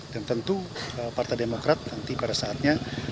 dan tentu partai demokrat nanti pada saatnya